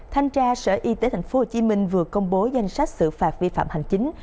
thanh tra sở y tế tp hcm vừa công bố danh sách xử phạt vi phạm hành chính